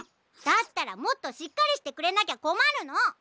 だったらもっとしっかりしてくれなきゃこまるの！